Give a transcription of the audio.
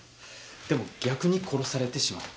でも逆に殺されてしまった。